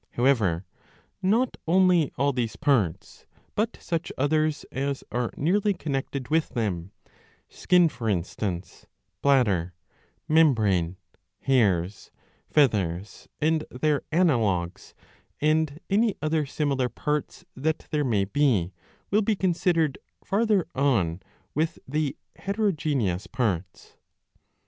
However, not only all these parts but such others as are nearly connected with them, skin for instance, bladder, membrane, hairs, feathers, and their analogues, and any other similar parts that there may be, will be considered farther on with the heterogeneous parts.